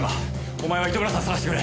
お前は糸村さん探してくれ！